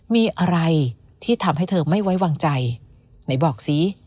มีอะไรที่ทำให้เธอไม่ไว้วางใจไหนบอกสิ